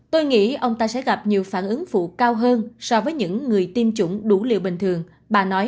tôi nghĩ ông ta sẽ gặp nhiều phản ứng phụ cao hơn so với những người tiêm chủng đủ liều bình thường bà nói